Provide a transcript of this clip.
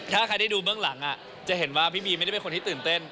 ถ้าใครได้ดูเบื้องหลังจะเห็นว่าพี่บีไม่ได้เป็นคนที่ตื่นเต้น